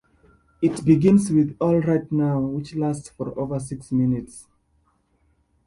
It begins with "All Right Now", which lasts for over six minutes.